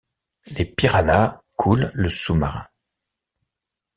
Les piranhas coulent le sous-marin.